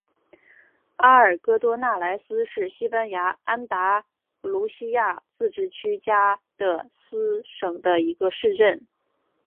阿尔戈多纳莱斯是西班牙安达卢西亚自治区加的斯省的一个市镇。